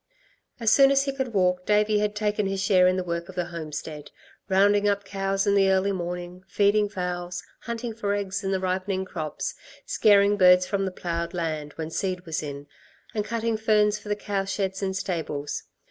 As soon as he could walk Davey had taken his share in the work of the homestead, rounding up cows in the early morning, feeding fowls, hunting for eggs in the ripening crops, scaring birds from the ploughed land when seed was in, and cutting ferns for the cowsheds and stables.